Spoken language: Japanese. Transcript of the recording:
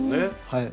はい。